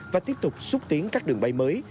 và tiếp tục xúc tiến các đường bay mới